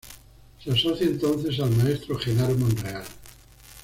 Se asocia entonces al maestro Genaro Monreal.